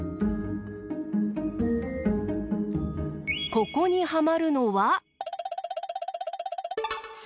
ここにはまるのは３。